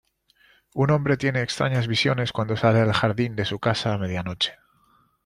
Un hombre tiene extrañas visiones cuando sale al jardín de su casa a medianoche.